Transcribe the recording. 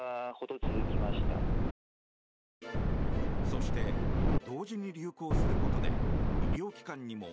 そして、同時に流行することで医療機関にも